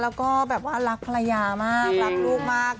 แล้วก็แบบว่ารักภรรยามากรักลูกมาก